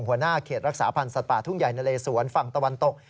หัวหน้าเขตรักษาพันธ์สัตว์ป่าทุ่งใหญ่นะเลสวนฝั่งตะวันตก